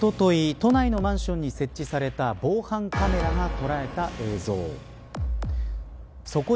これはおととい、都内のマンションに設置された防犯カメラが捉えた映像です。